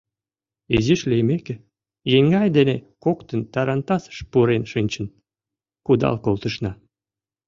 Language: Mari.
Изиш лиймеке, еҥгай дене коктын тарантасыш пурен шинчын, кудал колтышна.